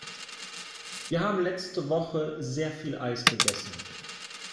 Wir haben letzte Woche sehr viel Eis gegessen.